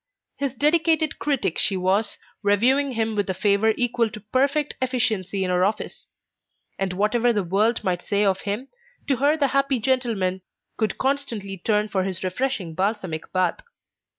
His dedicated critic she was, reviewing him with a favour equal to perfect efficiency in her office; and whatever the world might say of him, to her the happy gentleman could constantly turn for his refreshing balsamic bath.